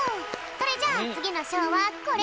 それじゃあつぎのしょうはこれ！